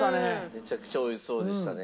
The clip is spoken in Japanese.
めちゃくちゃ美味しそうでしたね。